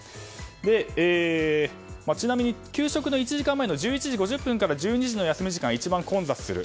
ちなみに給食の１時間前の１１時５０分から１２時の休み時間が一番混雑する。